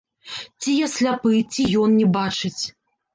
Ці я сляпы, ці ён не бачыць?